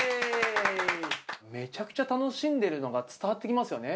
めちゃくちゃ楽しんでるのが伝わってきますよね。